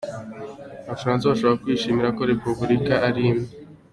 Abafaransa bashobora kwishimira ko Repuburika iba imwe.